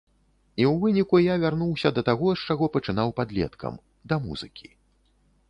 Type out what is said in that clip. І ў выніку я вярнуўся да таго, з чаго пачынаў падлеткам, да музыкі.